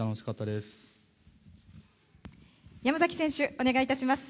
お願いいたします。